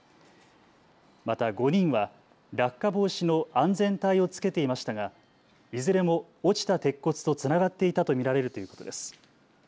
また５人は落下防止の安全帯を着けていましたがいずれも落ちた鉄骨とつながっていたと見られるということです。